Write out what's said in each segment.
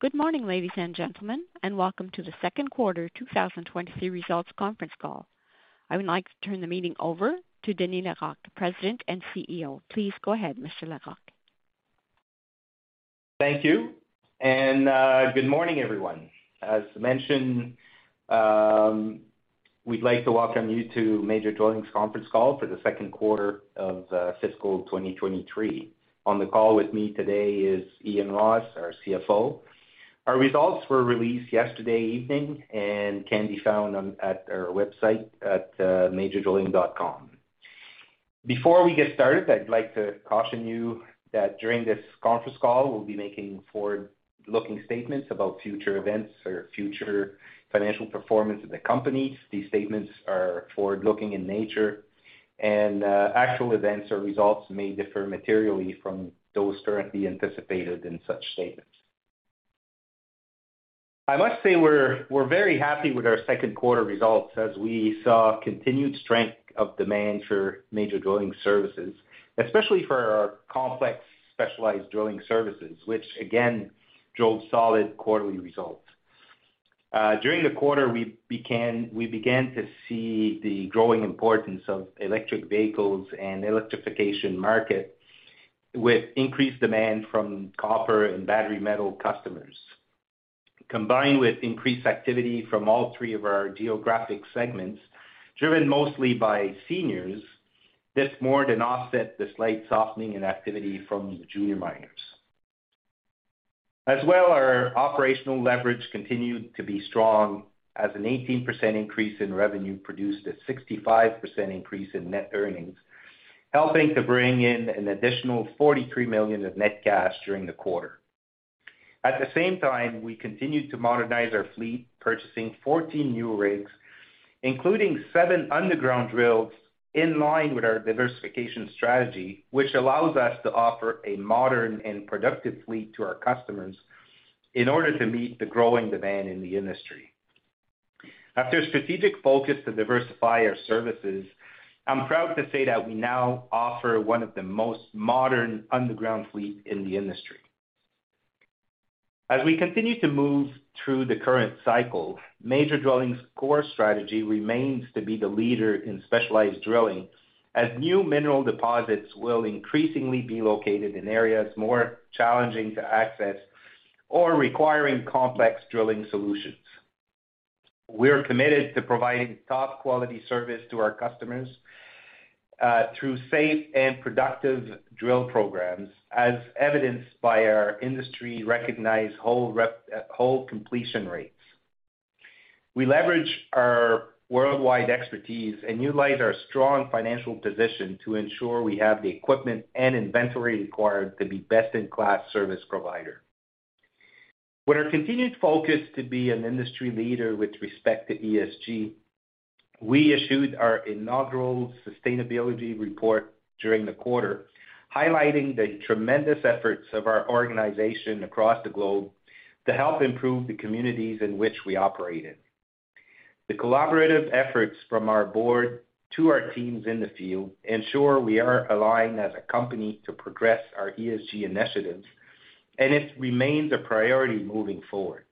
Good morning, ladies and gentlemen, and welcome to the second quarter 2023 results conference call. I would like to turn the meeting over to Denis Larocque, President and CEO. Please go ahead, Mr. Larocque. Thank you. Good morning, everyone. As mentioned, we'd like to welcome you to Major Drilling's conference call for the second quarter of fiscal 2023. On the call with me today is Ian Ross, our CFO. Our results were released yesterday evening and can be found at our website at majordrilling.com. Before we get started, I'd like to caution you that during this conference call, we'll be making forward-looking statements about future events or future financial performance of the company. These statements are forward-looking in nature and actual events or results may differ materially from those currently anticipated in such statements. I must say we're very happy with our second quarter results as we saw continued strength of demand for Major Drilling services, especially for our complex specialized drilling services, which again drove solid quarterly results. During the quarter we began to see the growing importance of electric vehicles and electrification market with increased demand from copper and battery metal customers. Combined with increased activity from all three of our geographic segments, driven mostly by seniors, this more than offset the slight softening in activity from the junior miners. As well, our operational leverage continued to be strong as an 18% increase in revenue produced a 65% increase in net earnings, helping to bring in an additional $43 million of net cash during the quarter. At the same time, we continued to modernize our fleet, purchasing 14 new rigs, including 7 underground drills in line with our diversification strategy, which allows us to offer a modern and productive fleet to our customers in order to meet the growing demand in the industry. After a strategic focus to diversify our services, I'm proud to say that we now offer one of the most modern underground fleet in the industry. As we continue to move through the current cycle, Major Drilling's core strategy remains to be the leader in specialized drilling, as new mineral deposits will increasingly be located in areas more challenging to access or requiring complex drilling solutions. We're committed to providing top quality service to our customers, through safe and productive drill programs as evidenced by our industry-recognized hole completion rates. We leverage our worldwide expertise and utilize our strong financial position to ensure we have the equipment and inventory required to be best-in-class service provider. With our continued focus to be an industry leader with respect to ESG, we issued our inaugural Sustainability Report during the quarter, highlighting the tremendous efforts of our organization across the globe to help improve the communities in which we operate in. The collaborative efforts from our board to our teams in the field ensure we are aligned as a company to progress our ESG initiatives, and it remains a priority moving forward.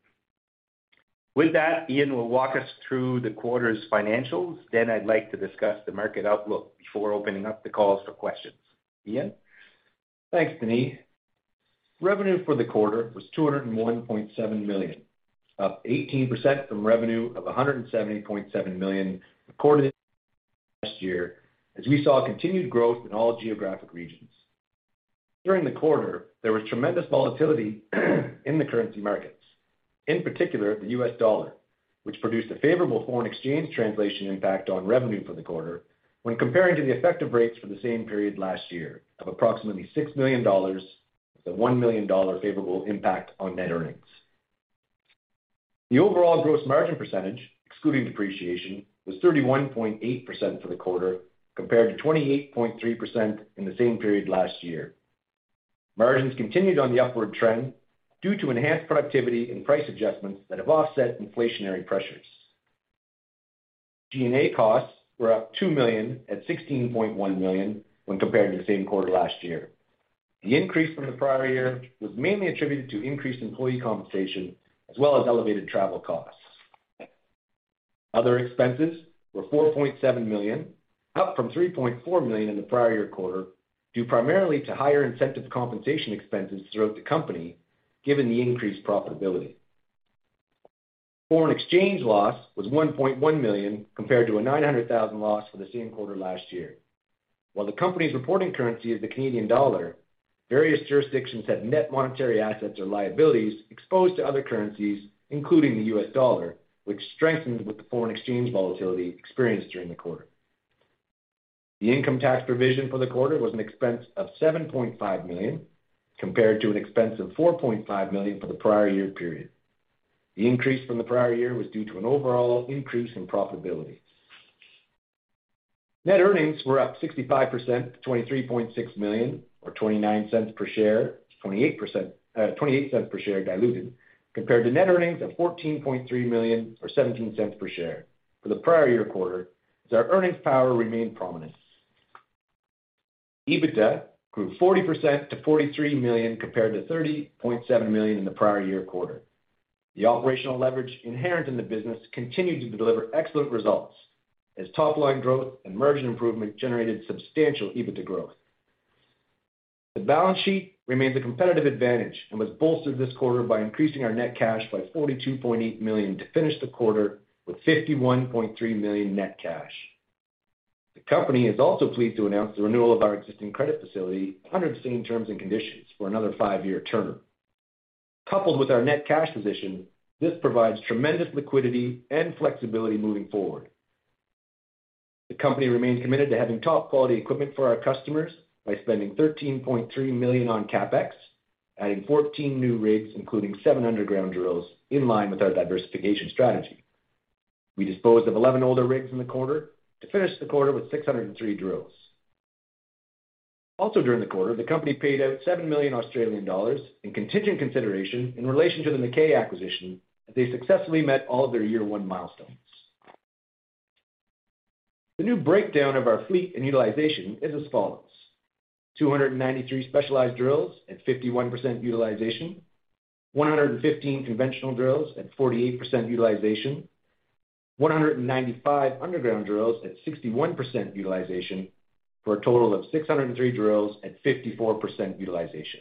With that, Ian will walk us through the quarter's financials, then I'd like to discuss the market outlook before opening up the calls for questions. Ian? Thanks, Denis. Revenue for the quarter was 201.7 million, up 18% from revenue of 170.7 million recorded last year as we saw continued growth in all geographic regions. During the quarter, there was tremendous volatility in the currency markets, in particular the US dollar, which produced a favorable foreign exchange translation impact on revenue for the quarter when comparing to the effective rates for the same period last year of approximately 6 million dollars with a 1 million dollar favorable impact on net earnings. The overall gross margin percentage, excluding depreciation, was 31.8% for the quarter, compared to 28.3% in the same period last year. Margins continued on the upward trend due to enhanced productivity and price adjustments that have offset inflationary pressures. G&A costs were up 2 million at 16.1 million when compared to the same quarter last year. The increase from the prior year was mainly attributed to increased employee compensation as well as elevated travel costs. Other expenses were 4.7 million, up from 3.4 million in the prior year quarter, due primarily to higher incentive compensation expenses throughout the company, given the increased profitability. Foreign exchange loss was 1.1 million, compared to a 900,000 loss for the same quarter last year. While the company's reporting currency is the Canadian dollar, various jurisdictions had net monetary assets or liabilities exposed to other currencies, including the US dollar, which strengthened with the foreign exchange volatility experienced during the quarter. The income tax provision for the quarter was an expense of 7.5 million, compared to an expense of 4.5 million for the prior year period. The increase from the prior year was due to an overall increase in profitability. Net earnings were up 65% to 23.6 million or 0.29 per share, 0.28 per share diluted, compared to net earnings of 14.3 million or 0.17 per share for the prior year quarter as our earnings power remained prominent. EBITDA grew 40% to 43 million compared to 30.7 million in the prior year quarter. The operational leverage inherent in the business continued to deliver excellent results as top-line growth and margin improvement generated substantial EBITDA growth. The balance sheet remains a competitive advantage and was bolstered this quarter by increasing our net cash by 42.8 million to finish the quarter with 51.3 million net cash. The company is also pleased to announce the renewal of our existing credit facility under the same terms and conditions for another five-year term. Coupled with our net cash position, this provides tremendous liquidity and flexibility moving forward. The company remains committed to having top-quality equipment for our customers by spending 13.3 million on CapEx, adding 14 new rigs, including 7 underground drills in line with our diversification strategy. We disposed of 11 older rigs in the quarter to finish the quarter with 603 drills. During the quarter, the company paid out 7 million Australian dollars in contingent consideration in relation to the McKay acquisition as they successfully met all of their year one milestones. The new breakdown of our fleet and utilization is as follows. 293 specialized drills at 51% utilization, 115 conventional drills at 48% utilization, 195 underground drills at 61% utilization for a total of 603 drills at 54% utilization.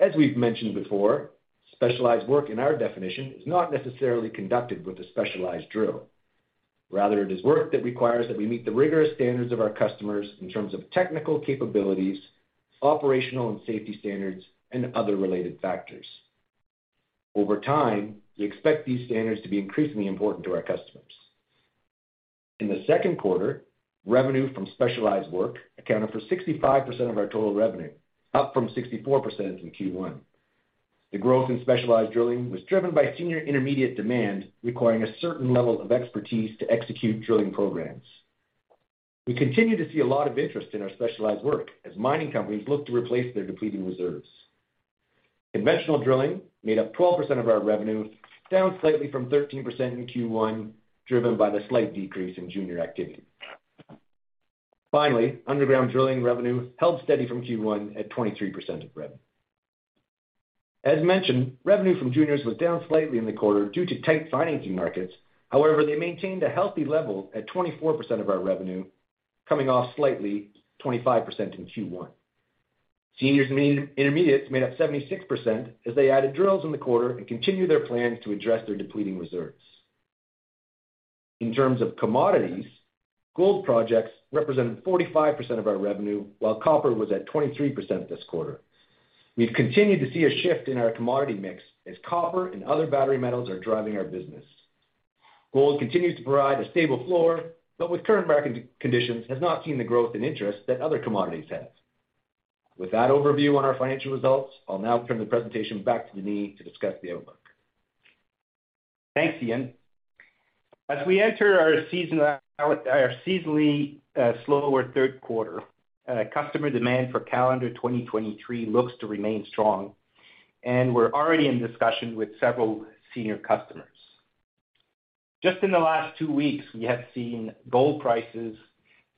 As we've mentioned before, specialized work in our definition is not necessarily conducted with a specialized drill. Rather, it is work that requires that we meet the rigorous standards of our customers in terms of technical capabilities, operational and safety standards, and other related factors. Over time, we expect these standards to be increasingly important to our customers. In the second quarter, revenue from specialized work accounted for 65% of our total revenue, up from 64% in Q1. The growth in specialized drilling was driven by senior intermediate demand, requiring a certain level of expertise to execute drilling programs. We continue to see a lot of interest in our specialized work as mining companies look to replace their depleting reserves. conventional drilling made up 12% of our revenue, down slightly from 13% in Q1, driven by the slight decrease in junior activity. Finally, underground drilling revenue held steady from Q1 at 23% of revenue. As mentioned, revenue from juniors was down slightly in the quarter due to tight financing markets. However, they maintained a healthy level at 24% of our revenue, coming off slightly, 25% in Q1. Seniors and intermediates made up 76% as they added drills in the quarter and continued their plans to address their depleting reserves. In terms of commodities, gold projects represented 45% of our revenue while copper was at 23% this quarter. We've continued to see a shift in our commodity mix as copper and other battery metals are driving our business. Gold continues to provide a stable floor, but with current market conditions has not seen the growth in interest that other commodities have. With that overview on our financial results, I'll now turn the presentation back to Denis to discuss the outlook. Thanks, Ian. As we enter our season, our seasonally slower third quarter, customer demand for calendar 2023 looks to remain strong. We're already in discussion with several senior customers. Just in the last two weeks, we have seen gold prices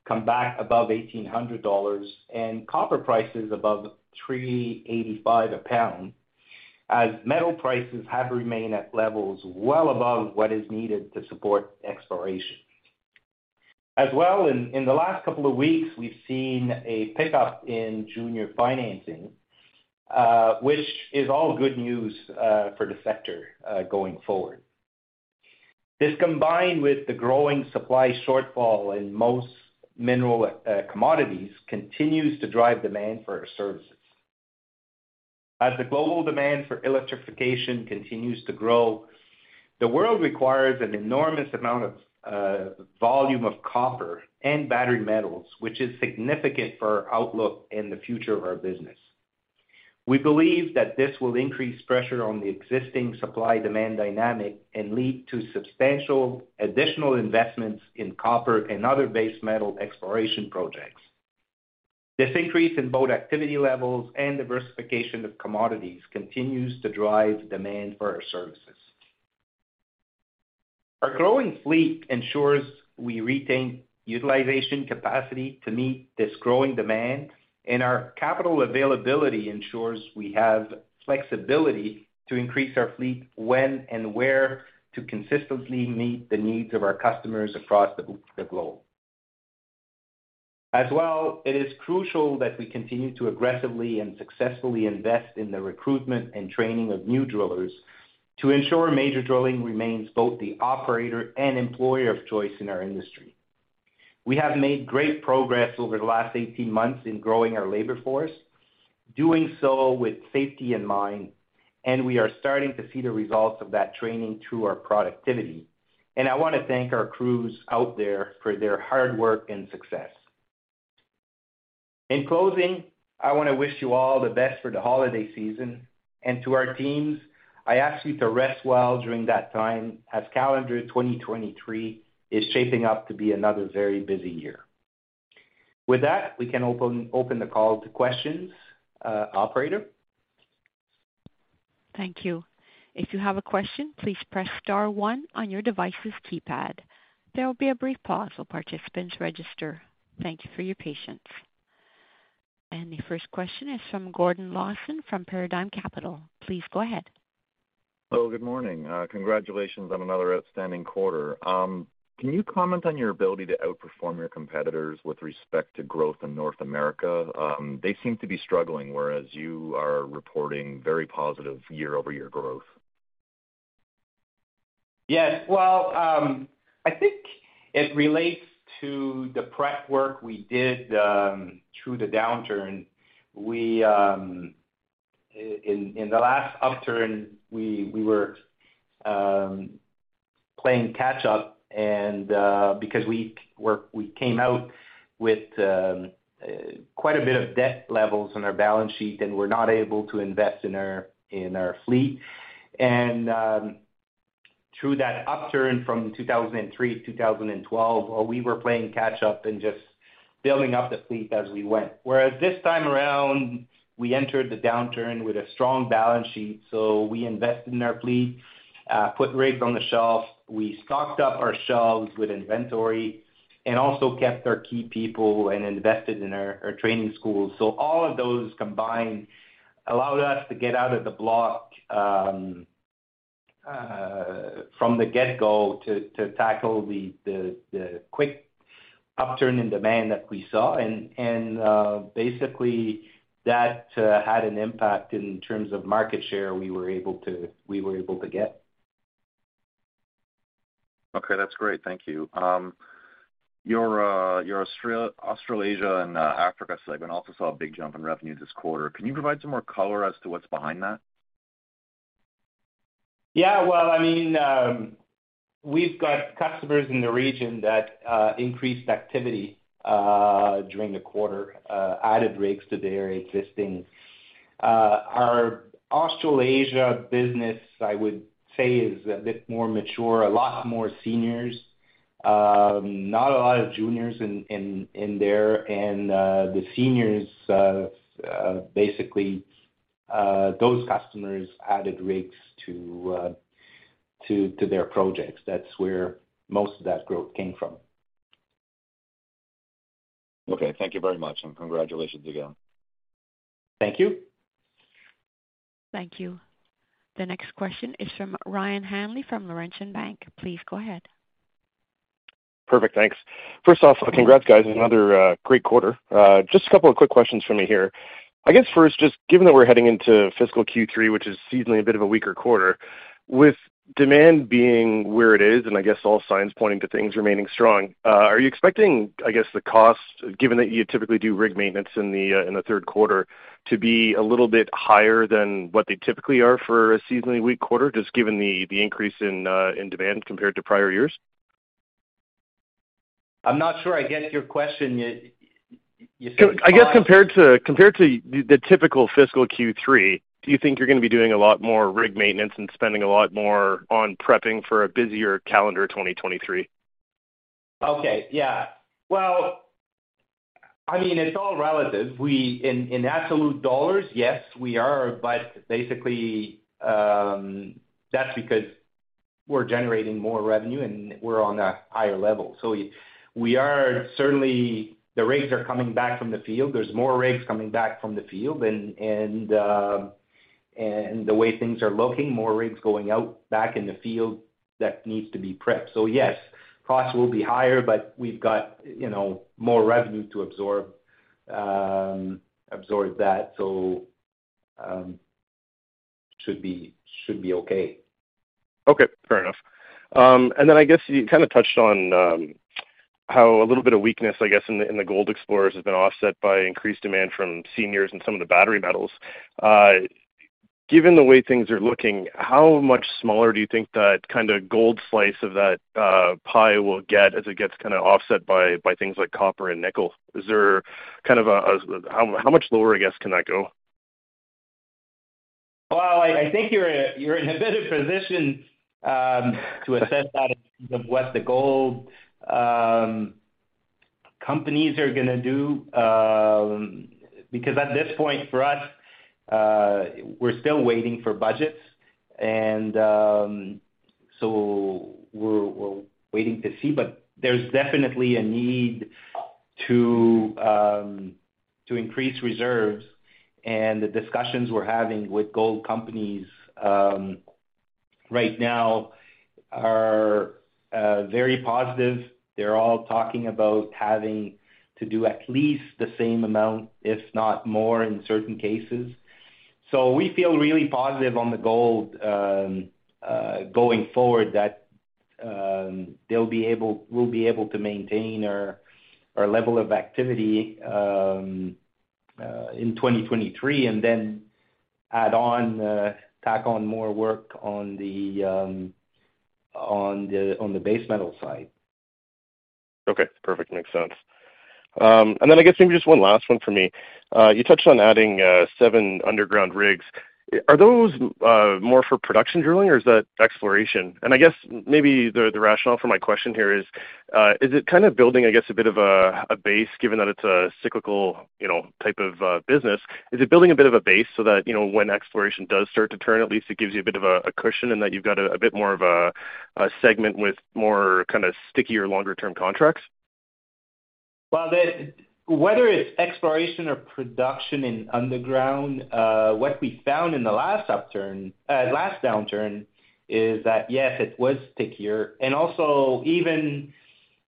come back above $1,800 and copper prices above $3.85 a pound as metal prices have remained at levels well above what is needed to support exploration. As well, in the last couple of weeks, we've seen a pickup in junior financing, which is all good news for the sector going forward. This combined with the growing supply shortfall in most mineral commodities, continues to drive demand for our services. As the global demand for electrification continues to grow, the world requires an enormous amount of volume of copper and battery metals, which is significant for our outlook and the future of our business. We believe that this will increase pressure on the existing supply-demand dynamic and lead to substantial additional investments in copper and other base metal exploration projects. This increase in both activity levels and diversification of commodities continues to drive demand for our services. Our growing fleet ensures we retain utilization capacity to meet this growing demand, and our capital availability ensures we have flexibility to increase our fleet when and where to consistently meet the needs of our customers across the globe. It is crucial that we continue to aggressively and successfully invest in the recruitment and training of new drillers to ensure Major Drilling remains both the operator and employer of choice in our industry. We have made great progress over the last 18 months in growing our labor force, doing so with safety in mind, and we are starting to see the results of that training through our productivity. I wanna thank our crews out there for their hard work and success. In closing, I wanna wish you all the best for the holiday season and to our teams, I ask you to rest well during that time, as calendar 2023 is shaping up to be another very busy year. With that, we can open the call to questions, operator. Thank you. If you have a question, please press star one on your device's keypad. There will be a brief pause while participants register. Thank you for your patience. The first question is from Gordon Lawson from Paradigm Capital. Please go ahead. Hello. Good morning. Congratulations on another outstanding quarter. Can you comment on your ability to outperform your competitors with respect to growth in North America? They seem to be struggling, whereas you are reporting very positive year-over-year growth. Yes. Well, I think it relates to the prep work we did through the downturn. We, in the last upturn, we were playing catch up because we came out with quite a bit of debt levels on our balance sheet and were not able to invest in our fleet. Through that upturn from 2003 to 2012, we were playing catch up and just building up the fleet as we went. This time around, we entered the downturn with a strong balance sheet, so we invested in our fleet, put rigs on the shelf, we stocked up our shelves with inventory and also kept our key people and invested in our training schools. All of those combined allowed us to get out of the block, from the get-go to tackle the quick upturn in demand that we saw. Basically that had an impact in terms of market share we were able to get. Okay. That's great. Thank you. Your Australasia and Africa segment also saw a big jump in revenue this quarter. Can you provide some more color as to what's behind that? Well, I mean, we've got customers in the region that increased activity during the quarter, added rigs to their existing. Our Australasia business, I would say is a bit more mature. A lot more seniors, not a lot of juniors in there. The seniors, basically, those customers added rigs to their projects. That's where most of that growth came from. Okay. Thank you very much, and congratulations again. Thank you. Thank you. The next question is from Ryan Hanley from Laurentian Bank. Please go ahead. Perfect. Thanks. First off, congrats guys. Another great quarter. Just a couple of quick questions for me here. I guess first, just given that we're heading into fiscal Q3, which is seasonally a bit of a weaker quarter. With demand being where it is, and I guess all signs pointing to things remaining strong, are you expecting, I guess, the cost, given that you typically do rig maintenance in the third quarter, to be a little bit higher than what they typically are for a seasonally weak quarter, just given the increase in demand compared to prior years? I'm not sure I get your question. You think costs- I guess compared to the typical fiscal Q3, do you think you're gonna be doing a lot more rig maintenance and spending a lot more on prepping for a busier calendar 2023? Okay. Yeah. Well, I mean, it's all relative. In absolute dollars, yes, we are. Basically, that's because we're generating more revenue and we're on a higher level. We are certainly. The rigs are coming back from the field. There's more rigs coming back from the field and the way things are looking, more rigs going out back in the field that needs to be prepped. Yes, costs will be higher, but we've got, you know, more revenue to absorb that. Should be okay. Okay, fair enough. I guess you kinda touched on how a little bit of weakness, I guess, in the, in the gold explorers has been offset by increased demand from seniors and some of the battery metals. Given the way things are looking, how much smaller do you think that kinda gold slice of that pie will get as it gets kinda offset by things like copper and nickel? How much lower, I guess, can that go? Well, I think you're in a better position to assess that in terms of what the gold companies are gonna do, because at this point for us, we're waiting to see. There's definitely a need to increase reserves. The discussions we're having with gold companies right now are very positive. They're all talking about having to do at least the same amount, if not more, in certain cases. We feel really positive on the gold going forward that we'll be able to maintain our level of activity in 2023 and then add on tack on more work on the base metal side. Okay, perfect. Makes sense. I guess maybe just one last one for me. You touched on adding seven underground rigs. Are those more for production drilling, or is that exploration? I guess maybe the rationale for my question here is it kind of building, I guess, a bit of a base given that it's a cyclical, you know, type of business? Is it building a bit of a base so that, you know, when exploration does start to turn, at least it gives you a bit of a cushion and that you've got a bit more of a segment with more kinda stickier longer-term contracts? Whether it's exploration or production in underground, what we found in the last downturn is that, yes, it was stickier.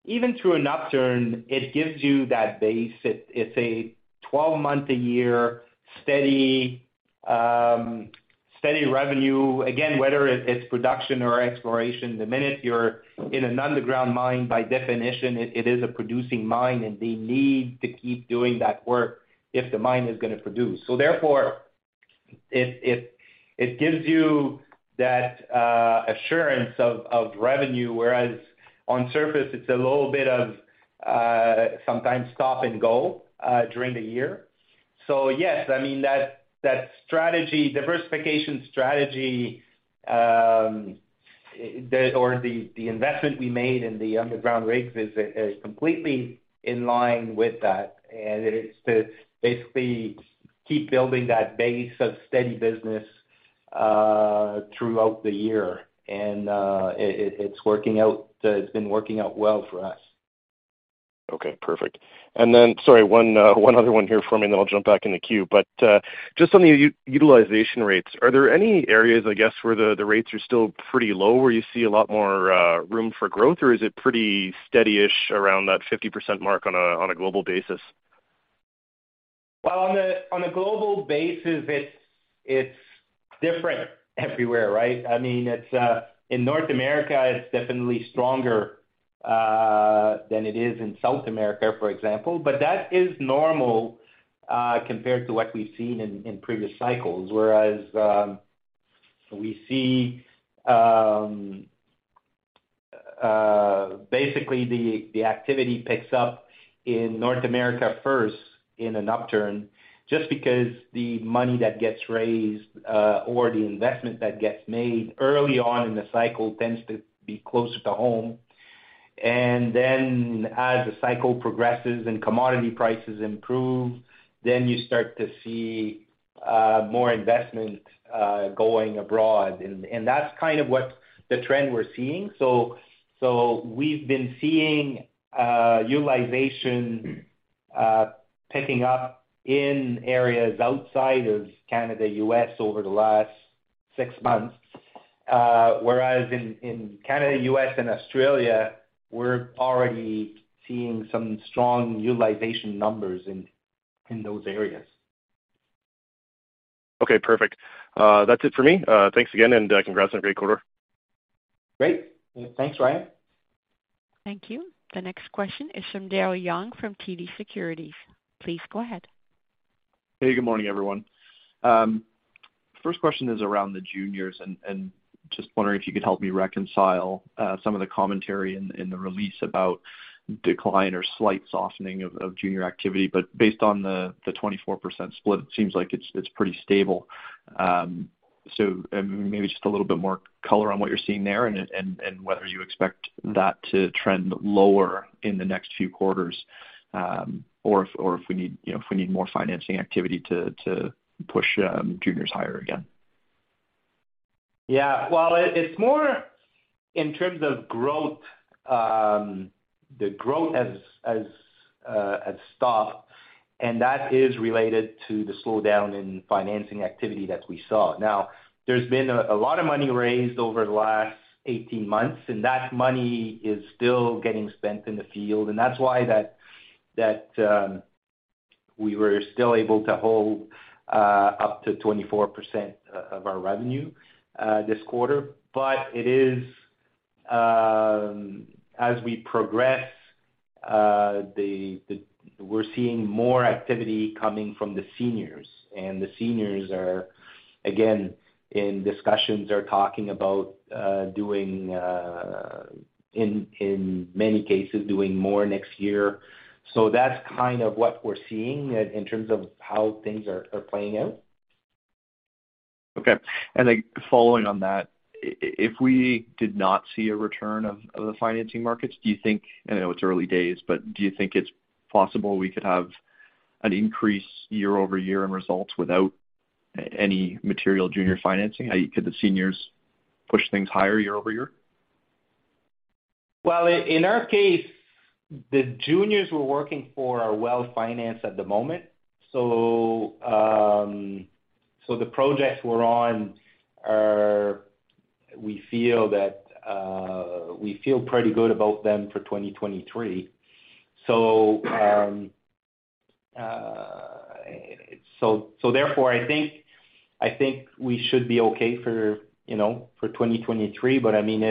Even through an upturn, it gives you that base. It's a 12-month a year steady revenue. Again, whether it's production or exploration, the minute you're in an underground mine, by definition, it is a producing mine, and they need to keep doing that work if the mine is going to produce. It gives you that assurance of revenue, whereas on surface it's a little bit of sometimes stop and go during the year. Yes, I mean, that strategy, diversification strategy, or the investment we made in the underground rigs is completely in line with that. It is to basically keep building that base of steady business throughout the year. It's working out. It's been working out well for us. Okay, perfect. Sorry, one other one here for me, and then I'll jump back in the queue. Just on the utilization rates, are there any areas, I guess, where the rates are still pretty low, where you see a lot more room for growth, or is it pretty steady-ish around that 50% mark on a global basis? Well, on a global basis, it's different everywhere, right? I mean, it's... In North America, it's definitely stronger than it is in South America, for example. That is normal compared to what we've seen in previous cycles. Whereas, we see basically the activity picks up in North America first in an upturn, just because the money that gets raised or the investment that gets made early on in the cycle tends to be closer to home. As the cycle progresses and commodity prices improve, then you start to see more investment going abroad. That's kind of what the trend we're seeing. We've been seeing utilization picking up in areas outside of Canada, U.S. over the last 6 months. Whereas in Canada, U.S. and Australia, we're already seeing some strong utilization numbers in those areas. Okay, perfect. That's it for me. Thanks again and congrats on a great quarter. Great. Thanks, Ryan. Thank you. The next question is from Daryl Young from TD Securities. Please go ahead. Hey, good morning, everyone. First question is around the juniors, and just wondering if you could help me reconcile some of the commentary in the release about decline or slight softening of junior activity. Based on the 24% split, it seems like it's pretty stable. Maybe just a little bit more color on what you're seeing there and whether you expect that to trend lower in the next few quarters, or if we need, you know, if we need more financing activity to push juniors higher again. Yeah. Well, it's more in terms of growth. The growth has stopped, and that is related to the slowdown in financing activity that we saw. There's been a lot of money raised over the last 18 months, and that money is still getting spent in the field. That's why that, we were still able to hold up to 24% of our revenue this quarter. It is, as we progress, the we're seeing more activity coming from the seniors. The seniors are, again, in discussions are talking about doing in many cases, doing more next year. That's kind of what we're seeing in terms of how things are playing out. Okay. Following on that, if we did not see a return of the financing markets, do you think, I know it's early days, but do you think it's possible we could have an increase year-over-year in results without any material junior financing? How could the seniors push things higher year-over-year? Well, in our case, the juniors we're working for are well-financed at the moment. The projects we're on are, we feel that, we feel pretty good about them for 2023. Therefore, I think, I think we should be okay for, you know, for 2023. I mean,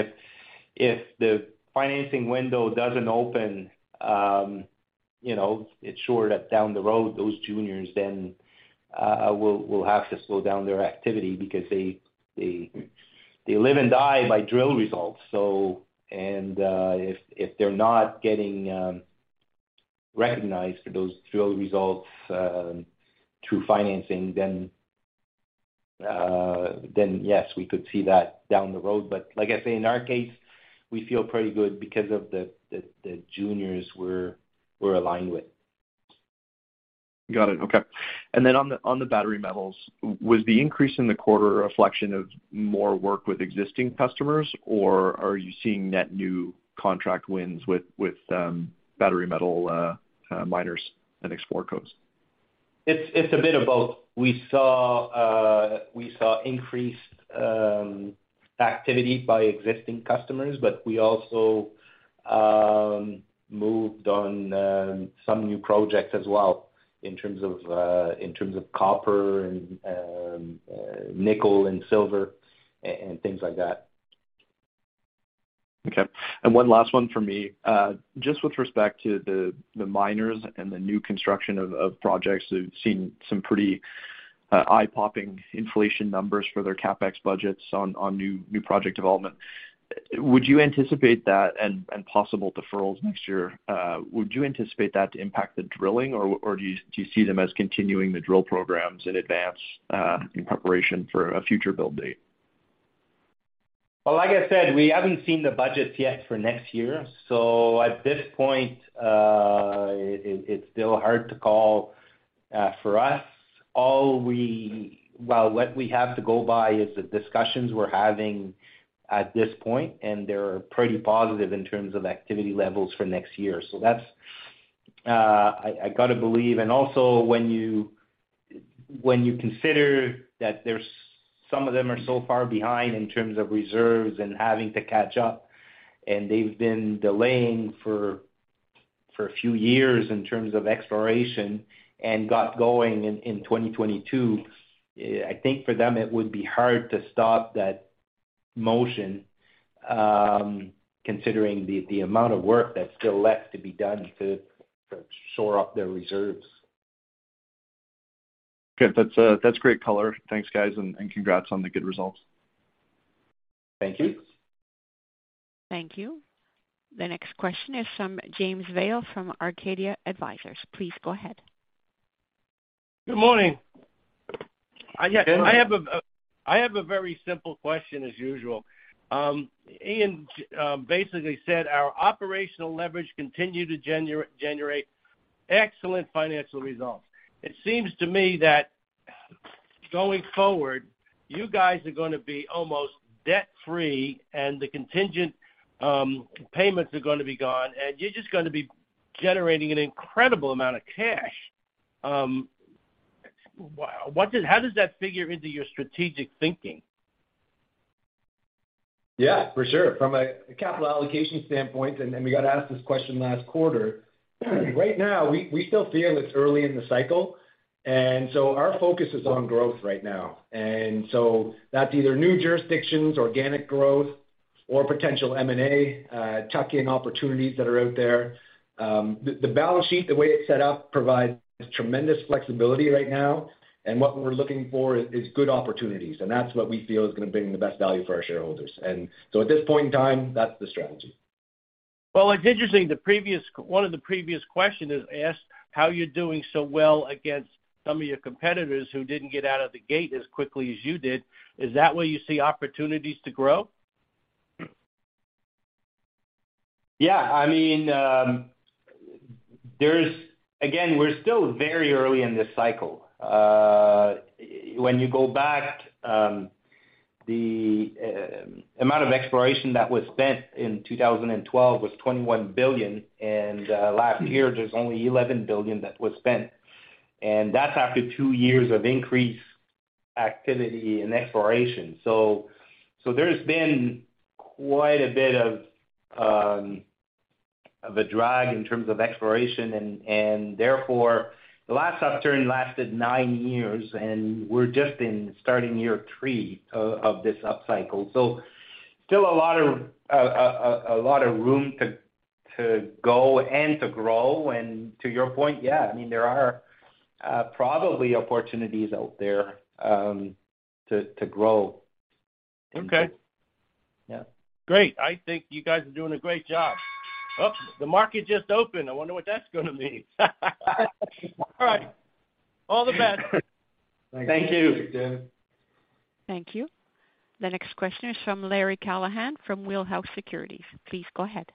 if the financing window doesn't open, you know, it's sure that down the road, those juniors then, will have to slow down their activity because they live and die by drill results. If they're not getting, recognized for those drill results, through financing, then yes, we could see that down the road. Like I say, in our case, we feel pretty good because of the juniors we're aligned with. Got it. Okay. On the battery metals, was the increase in the quarter a reflection of more work with existing customers? Are you seeing net new contract wins with battery metal miners and explore cos? It's a bit of both. We saw increased activity by existing customers, but we also moved on some new projects as well in terms of copper and nickel and silver and things like that. Okay. One last one for me. Just with respect to the miners and the new construction of projects, we've seen some pretty eye-popping inflation numbers for their CapEx budgets on new project development. Would you anticipate that and possible deferrals next year, would you anticipate that to impact the drilling? Or do you see them as continuing the drill programs in advance, in preparation for a future build date? Well, like I said, we haven't seen the budgets yet for next year. At this point, it's still hard to call, for us. Well, what we have to go by is the discussions we're having at this point, and they're pretty positive in terms of activity levels for next year. That's, I gotta believe. Also, when you consider that some of them are so far behind in terms of reserves and having to catch up, and they've been delaying for a few years in terms of exploration and got going in 2022, I think for them it would be hard to stop that motion, considering the amount of work that's still left to be done to shore up their reserves. Okay. That's, that's great color. Thanks, guys. Congrats on the good results. Thank you. Thank you. The next question is from James Vail from Arcadia Advisors. Please go ahead. Good morning. Good morning. I have a very simple question as usual. Ian basically said our operational leverage continue to generate excellent financial results. It seems to me that going forward, you guys are gonna be almost debt-free, and the contingent payments are gonna be gone, and you're just gonna be generating an incredible amount of cash. What does how does that figure into your strategic thinking? Yeah, for sure. From a capital allocation standpoint, and we got asked this question last quarter, right now, we still feel it's early in the cycle. Our focus is on growth right now. That's either new jurisdictions, organic growth, or potential M&A, tuck-in opportunities that are out there. The balance sheet, the way it's set up, provides tremendous flexibility right now. What we're looking for is good opportunities, and that's what we feel is gonna bring the best value for our shareholders. At this point in time, that's the strategy. Well, it's interesting, one of the previous questioners asked how you're doing so well against some of your competitors who didn't get out of the gate as quickly as you did. Is that where you see opportunities to grow? Yeah. I mean, again, we're still very early in this cycle. When you go back, the amount of exploration that was spent in 2012 was $21 billion, and last year there's only $11 billion that was spent. That's after two years of increased activity and exploration. There's been quite a bit of a drag in terms of exploration, and therefore, the last upturn lasted nine years, and we're just in starting year three of this upcycle. Still a lot of a lot of room to go and to grow. To your point, yeah, I mean, there are probably opportunities out there to grow. Okay. Yeah. Great. I think you guys are doing a great job. Oh, the market just opened. I wonder what that's gonna mean. All right. All the best. Thank you. Thank you. The next question is from Larry Callahan from Wheelhouse Securities. Please go ahead.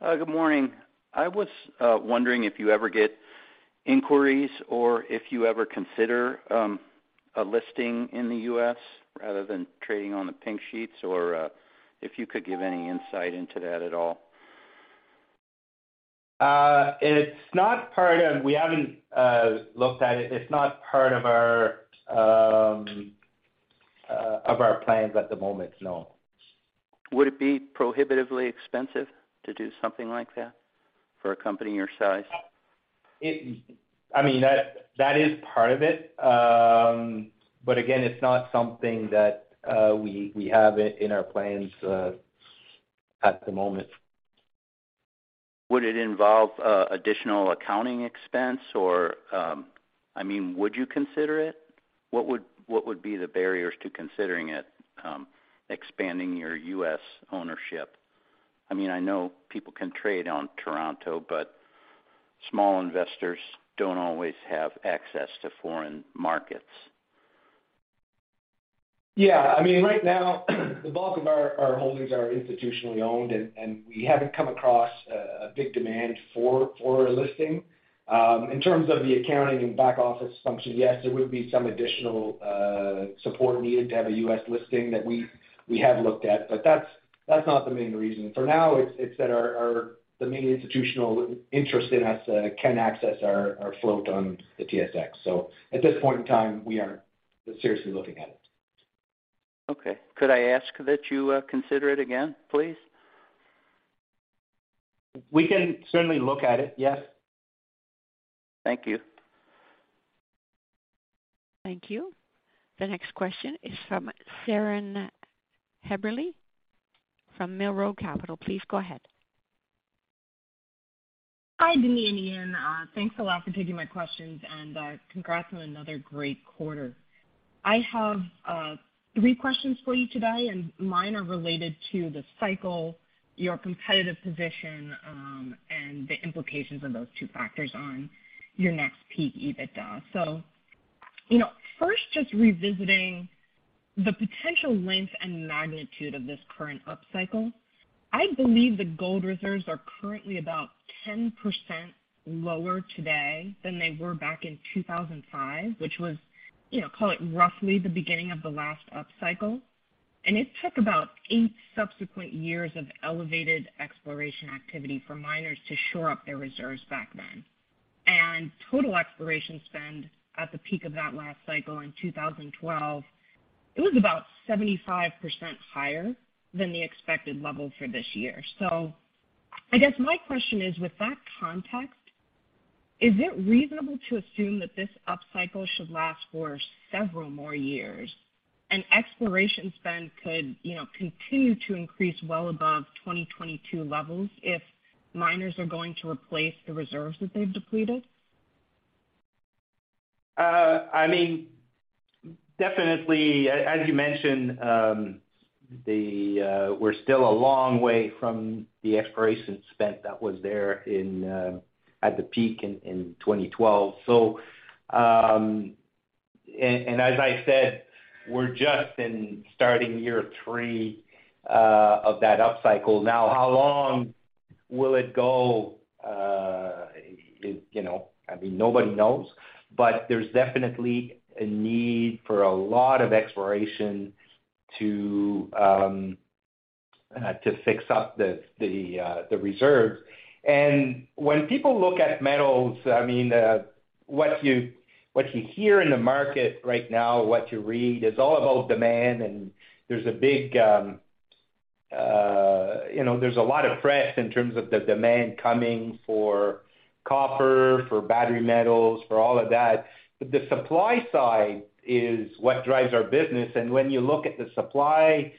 Good morning. I was wondering if you ever get inquiries or if you ever consider a listing in the U.S. rather than trading on the pink sheets, or if you could give any insight into that at all. We haven't looked at it. It's not part of our plans at the moment. No. Would it be prohibitively expensive to do something like that for a company your size? I mean, that is part of it. Again, it's not something that we have in our plans at the moment. Would it involve additional accounting expense or, I mean, would you consider it? What would be the barriers to considering it, expanding your U.S. ownership? I mean, I know people can trade on Toronto, but small investors don't always have access to foreign markets. I mean, right now, the bulk of our holdings are institutionally owned, and we haven't come across a big demand for a listing. In terms of the accounting and back office function, yes, there would be some additional support needed to have a U.S. listing that we have looked at, but that's not the main reason. For now it's that the main institutional interest in us can access our float on the TSX. At this point in time, we aren't seriously looking at it. Okay. Could I ask that you consider it again, please? We can certainly look at it. Yes. Thank you. Thank you. The next question is from Soren Heberle from Mill Road Capital. Please go ahead. Hi, Denis and Ian. Thanks a lot for taking my questions, and congrats on another great quarter. I have 3 questions for you today, and mine are related to the cycle, your competitive position, and the implications of those two factors on your next peak EBITDA. You know, first, just revisiting the potential length and magnitude of this current upcycle. I believe the gold reserves are currently about 10% lower today than they were back in 2005, which was, you know, call it roughly the beginning of the last upcycle. It took about 8 subsequent years of elevated exploration activity for miners to shore up their reserves back then. Total exploration spend at the peak of that last cycle in 2012, it was about 75% higher than the expected level for this year. I guess my question is, with that context, is it reasonable to assume that this upcycle should last for several more years and exploration spend could, you know, continue to increase well above 2022 levels if miners are going to replace the reserves that they've depleted? I mean, definitely, as you mentioned, we're still a long way from the exploration spent that was there at the peak in 2012. And as I said, we're just in starting year three of that upcycle. Now, how long will it go, is, you know... I mean, nobody knows. There's definitely a need for a lot of exploration to fix up the reserves. When people look at metals, I mean, what you, what you hear in the market right now, what you read is all about demand, and there's a big, you know, there's a lot of press in terms of the demand coming for copper, for battery metals, for all of that. The supply side is what drives our business. When you look at the supply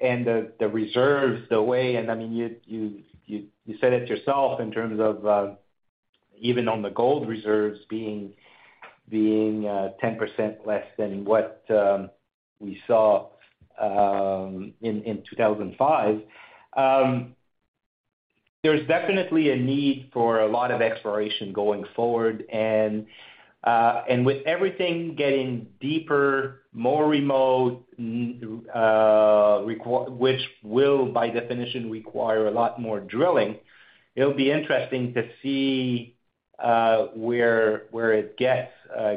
and the reserves and I mean, you said it yourself in terms of even on the gold reserves being 10% less than what we saw in 2005. There's definitely a need for a lot of exploration going forward. With everything getting deeper, more remote, which will, by definition, require a lot more drilling, it'll be interesting to see where it gets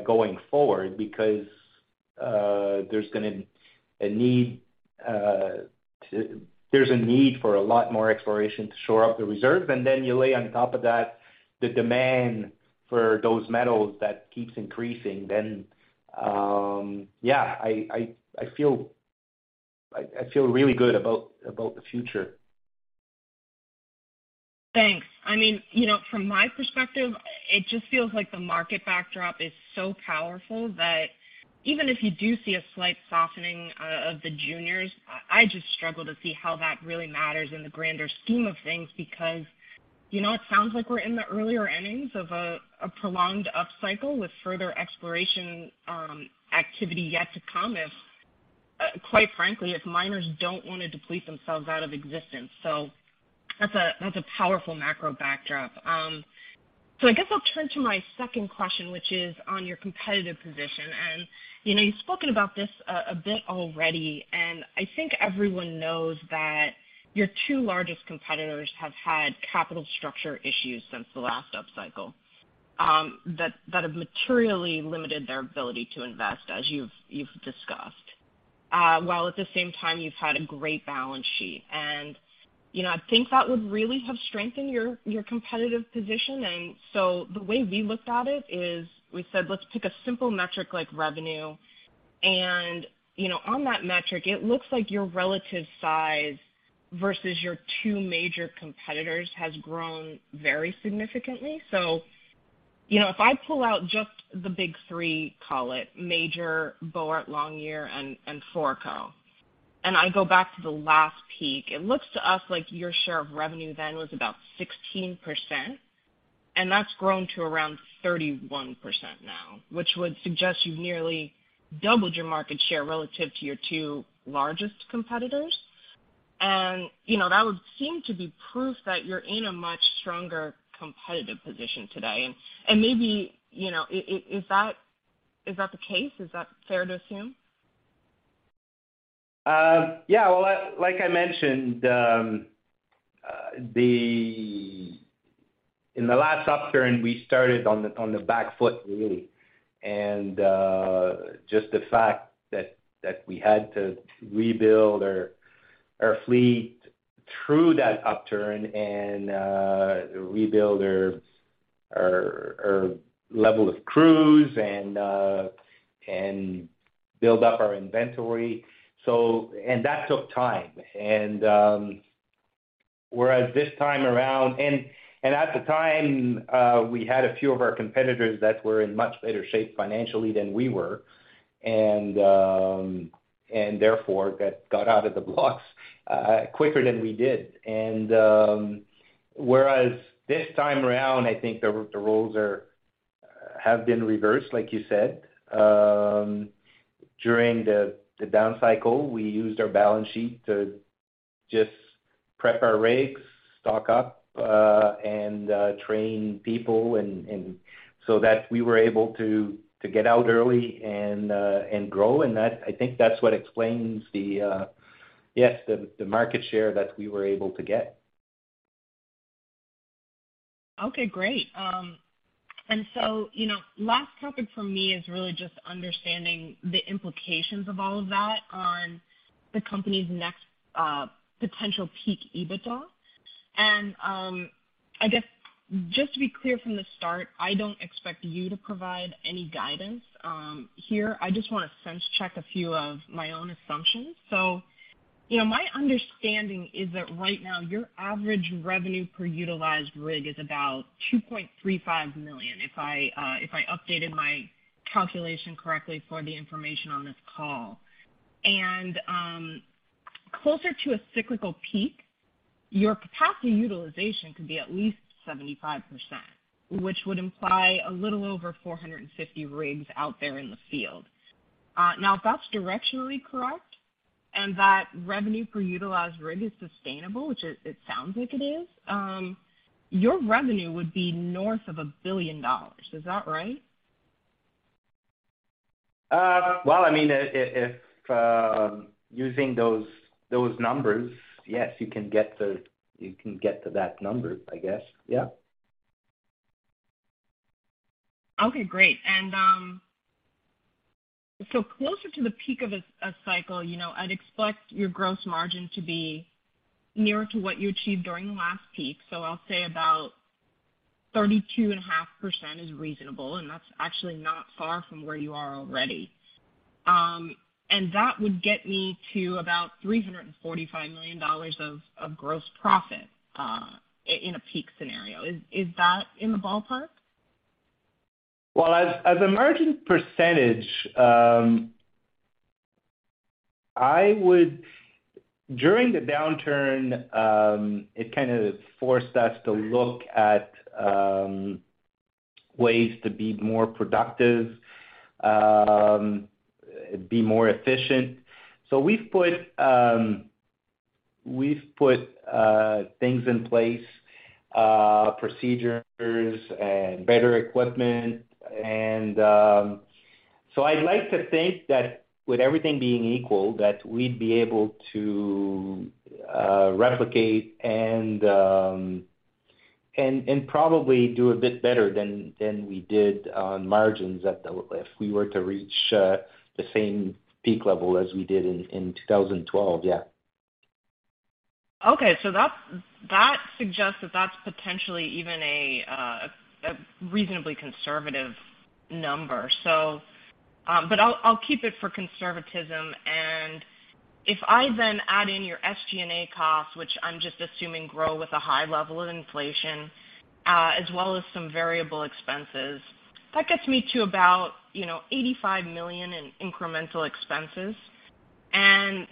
going forward because there's gonna a need there's a need for a lot more exploration to shore up the reserves. You lay on top of that the demand for those metals that keeps increasing then, yeah, I feel really good about the future. Thanks. I mean, you know, from my perspective, it just feels like the market backdrop is so powerful that even if you do see a slight softening of the juniors, I just struggle to see how that really matters in the grander scheme of things, because, you know, it sounds like we're in the earlier innings of a prolonged upcycle with further exploration activity yet to come if quite frankly, if miners don't wanna deplete themselves out of existence. That's a powerful macro backdrop. I guess I'll turn to my second question, which is on your competitive position. you know, you've spoken about this a bit already, and I think everyone knows that your two largest competitors have had capital structure issues since the last upcycle, that have materially limited their ability to invest as you've discussed. While at the same time you've had a great balance sheet. you know, I think that would really have strengthened your competitive position. The way we looked at it is we said, let's pick a simple metric like revenue. you know, on that metric, it looks like your relative size versus your two major competitors has grown very significantly. You know, if I pull out just the big three, call it Major Drilling, Boart Longyear and Foraco, and I go back to the last peak, it looks to us like your share of revenue then was about 16%, and that's grown to around 31% now, which would suggest you've nearly doubled your market share relative to your two largest competitors. You know, that would seem to be proof that you're in a much stronger competitive position today. Maybe, you know, is that the case? Is that fair to assume? Yeah. Well, like I mentioned, in the last upturn, we started on the back foot, really. Just the fact that we had to rebuild our fleet through that upturn and rebuild our level of crews and build up our inventory. That took time. Whereas this time around, at the time, we had a few of our competitors that were in much better shape financially than we were, and therefore got out of the blocks quicker than we did. Whereas this time around, I think the roles have been reversed, like you said. During the down cycle, we used our balance sheet to just prep our rigs, stock up, and train people and so that we were able to get out early and grow. That, I think that's what explains the yes, market share that we were able to get. Okay, great. You know, last topic for me is really just understanding the implications of all of that on the company's next potential peak EBITDA. I guess just to be clear from the start, I don't expect you to provide any guidance here. I just wanna sense check a few of my own assumptions. You know, my understanding is that right now your average revenue per utilized rig is about 2.35 million, if I updated my calculation correctly for the information on this call. Closer to a cyclical peak, your capacity utilization could be at least 75%, which would imply a little over 450 rigs out there in the field. If that's directionally correct, and that revenue per utilized rig is sustainable, which it sounds like it is, your revenue would be north of 1 billion dollars. Is that right? Well, I mean, if using those numbers, yes, you can get to that number, I guess. Yeah. Okay, great. closer to the peak of a cycle, you know, I'd expect your gross margin to be nearer to what you achieved during the last peak. I'll say about 32.5% is reasonable, and that's actually not far from where you are already. That would get me to about $345 million of gross profit in a peak scenario. Is that in the ballpark? Well, as a margin percentage, During the downturn, it kinda forced us to look at ways to be more productive, be more efficient. We've put things in place, procedures and better equipment. I'd like to think that with everything being equal, that we'd be able to replicate and probably do a bit better than we did on margins if we were to reach the same peak level as we did in 2012. Yeah. That's, that suggests that that's potentially even a reasonably conservative number. I'll keep it for conservatism. If I then add in your SG&A costs, which I'm just assuming grow with a high level of inflation, as well as some variable expenses, that gets me to about, you know, 85 million in incremental expenses.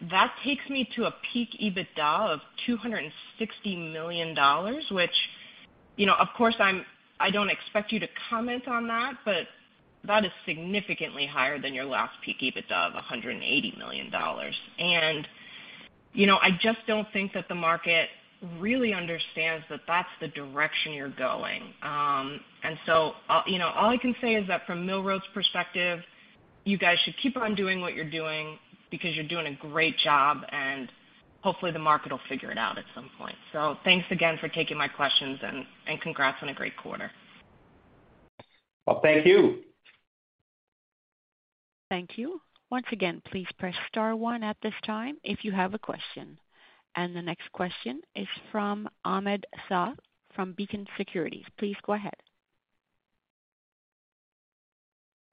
That takes me to a peak EBITDA of 260 million dollars, which, you know, of course I don't expect you to comment on that, but that is significantly higher than your last peak EBITDA of 180 million dollars. You know, I just don't think that the market really understands that that's the direction you're going. You know, all I can say is that from Mill Road's perspective, you guys should keep on doing what you're doing because you're doing a great job, and hopefully the market will figure it out at some point. Thanks again for taking my questions and congrats on a great quarter. Well, thank you. Thank you. Once again, please press star one at this time if you have a question. The next question is from Ahmad Shaath from Beacon Securities. Please go ahead.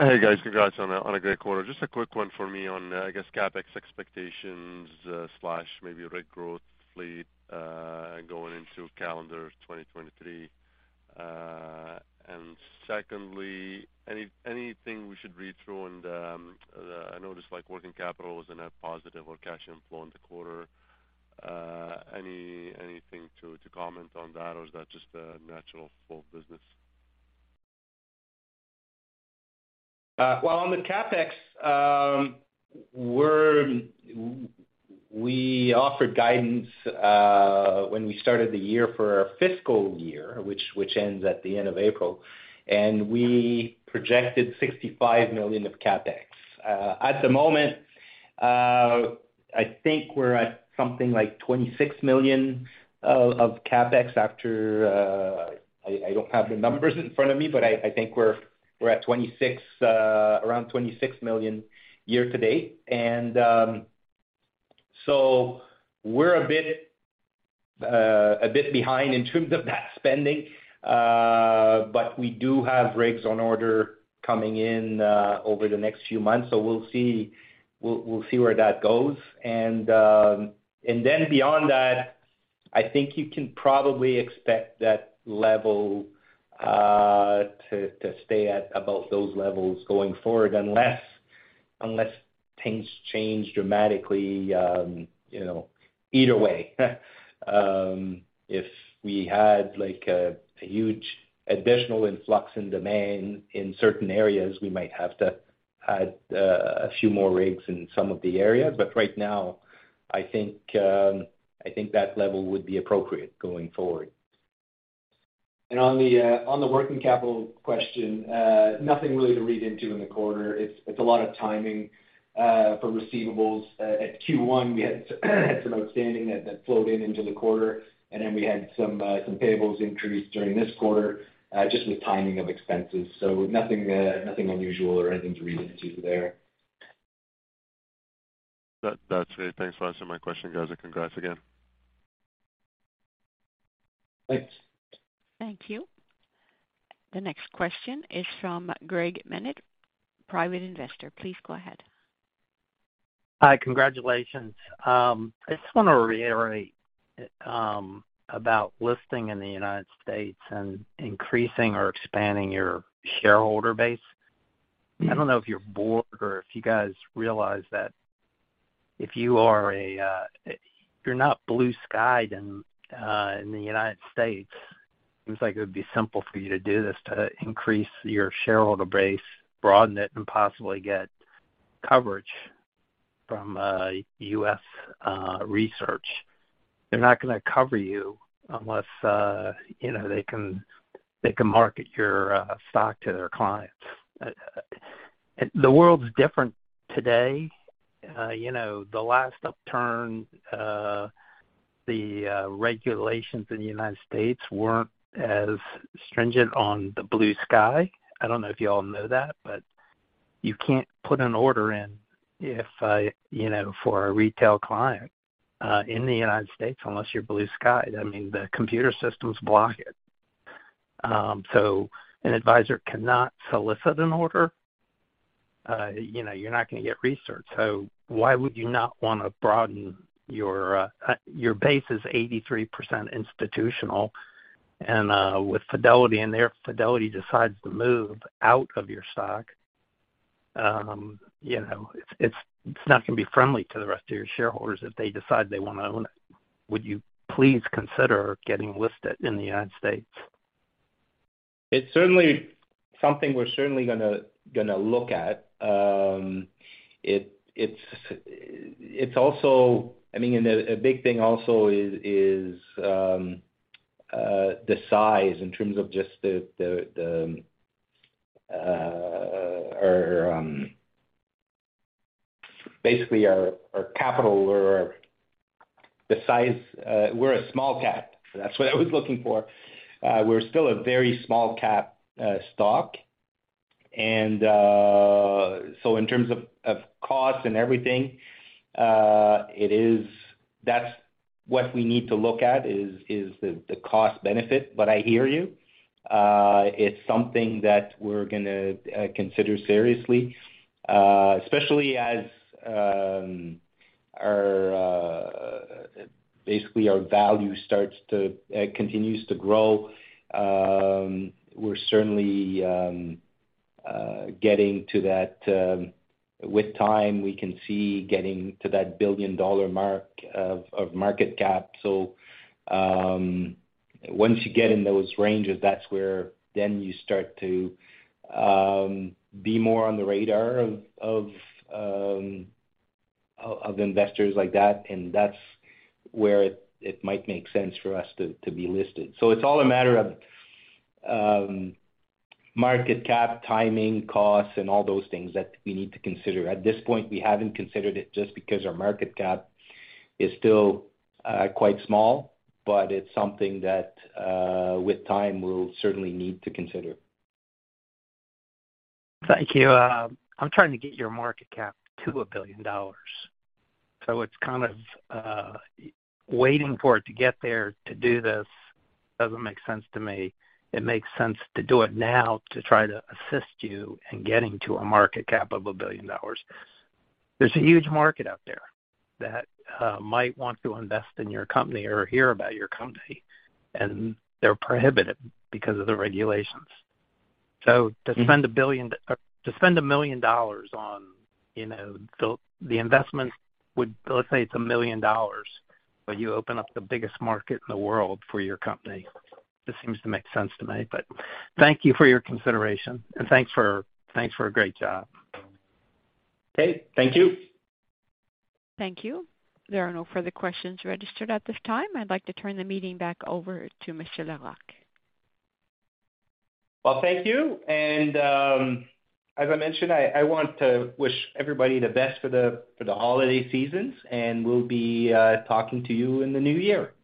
Hey guys, congrats on a great quarter. Just a quick one for me on I guess CapEx expectations, slash maybe rig growth fleet, going into calendar 2023. Secondly, anything we should read through in the I noticed like working capital was a net positive or cash inflow in the quarter. Anything to comment on that or is that just a natural for business? Well, on the CapEx, we offered guidance when we started the year for our fiscal year, which ends at the end of April, and we projected 65 million of CapEx. At the moment, I think we're at something like 26 million of CapEx after, I don't have the numbers in front of me, but I think we're at 26, around 26 million year to date. We're a bit, a bit behind in terms of that spending. We do have rigs on order coming in over the next few months, so we'll see, we'll see where that goes. Beyond that, I think you can probably expect that level to stay at about those levels going forward unless things change dramatically, you know, either way. If we had like a huge additional influx in demand in certain areas, we might have to add a few more rigs in some of the areas. Right now, I think that level would be appropriate going forward. On the working capital question, nothing really to read into in the quarter. It's a lot of timing for receivables. At Q1, we had some outstanding that flowed into the quarter. We had some payables increase during this quarter just with timing of expenses. Nothing unusual or anything to read into there. That's it. Thanks for answering my question, guys, and congrats again. Thanks. Thank you. The next question is from Greg Menen, private investor. Please go ahead. Hi. Congratulations. I just wanna reiterate about listing in the United States and increasing or expanding your shareholder base. Mm-hmm. I don't know if you're bored or if you guys realize that if you are a, you're not blue-skyed in the U.S., seems like it would be simple for you to do this, to increase your shareholder base, broaden it, and possibly get coverage from U.S. research. They're not gonna cover you unless, you know, they can market your stock to their clients. The world's different today. You know, the last upturn, the regulations in the U.S. weren't as stringent on the blue sky. I don't know if you all know that, you can't put an order in if you know, for a retail client in the U.S. unless you're blue sky. I mean, the computer systems block it. An advisor cannot solicit an order. You know, you're not gonna get research. Why would you not wanna broaden your base is 83% institutional with Fidelity in there, Fidelity decides to move out of your stock. You know, it's, it's not gonna be friendly to the rest of your shareholders if they decide they wanna own it. Would you please consider getting listed in the United States? It's certainly something we're certainly gonna look at. It's also... I mean, a big thing also is the size in terms of just the or, basically our capital or the size. We're a small cap. That's what I was looking for. We're still a very small cap stock. So in terms of cost and everything, it is... That's what we need to look at is the cost benefit, but I hear you. It's something that we're gonna consider seriously, especially as our basically our value continues to grow. We're certainly getting to that. With time, we can see getting to that billion-dollar mark of market cap. Once you get in those ranges, that's where then you start to be more on the radar of investors like that, and that's where it might make sense for us to be listed. It's all a matter of market cap, timing, costs, and all those things that we need to consider. At this point, we haven't considered it just because our market cap is still quite small, but it's something that with time, we'll certainly need to consider. Thank you. I'm trying to get your market cap to $1 billion, it's kind of waiting for it to get there to do this doesn't make sense to me. It makes sense to do it now to try to assist you in getting to a market cap of $1 billion. There's a huge market out there that might want to invest in your company or hear about your company, they're prohibited because of the regulations. Mm-hmm. To spend $1 million. Let's say it's $1 million, but you open up the biggest market in the world for your company. Just seems to make sense to me. Thank you for your consideration and thanks for a great job. Okay, thank you. Thank you. There are no further questions registered at this time. I'd like to turn the meeting back over to Mr Larocque. Well, thank you. As I mentioned, I want to wish everybody the best for the holiday seasons, and we'll be talking to you in the new year.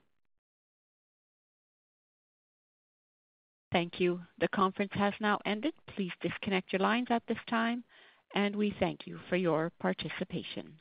Thank you. The conference has now ended. Please disconnect your lines at this time, and we thank you for your participation.